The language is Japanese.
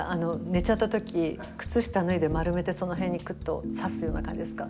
寝ちゃった時靴下脱いで丸めてその辺にクッとさすような感じですか？